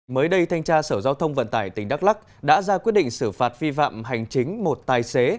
mới đây thanh tra sở giao thông vận tải tỉnh đắk lắc đã ra quyết định xử phạt vi phạm hành chính một tài xế